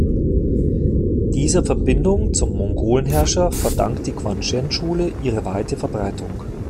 Dieser Verbindung zum Mongolen-Herrscher verdankt die Quanzhen-Schule ihre weite Verbreitung.